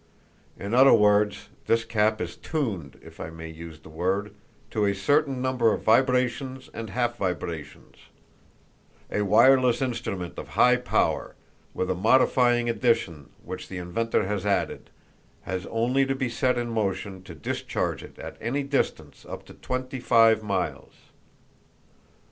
In other words, this cap is tuned, if I may use the word, to a certain number of vibrations and half vibrations; a wireless instrument of high power, with a modifying addition which the inventor has added, has only to be set in motion to discharge it at any distance up to twenty five miles.